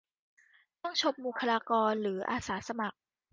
ต้องชมบุคคลากรหรืออาสาสมัคร